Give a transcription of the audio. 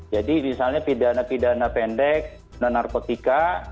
jadi misalnya pidana pidana pendek non narkotika